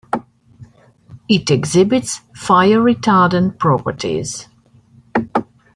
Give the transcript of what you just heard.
It exhibits fire-retardant properties.